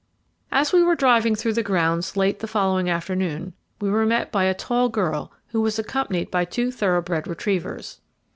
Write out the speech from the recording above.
As we were driving through the grounds late the following afternoon we were met by a tall girl, who was accompanied by two thoroughbred retrievers.